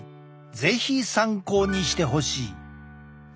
是非参考にしてほしい。